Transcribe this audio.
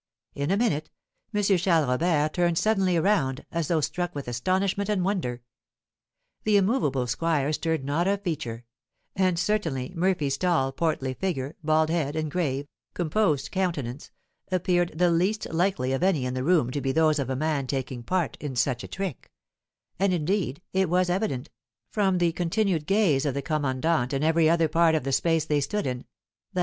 In a minute, M. Charles Robert turned suddenly around, as though struck with astonishment and wonder. The immovable squire stirred not a feature; and certainly Murphy's tall, portly figure, bald head, and grave, composed countenance, appeared the least likely of any in the room to be those of a man taking part in such a trick; and, indeed, it was evident, from the continued gaze of the commandant in every other part of the space they stood in, that M.